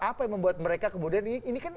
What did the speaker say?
apa yang membuat mereka kemudian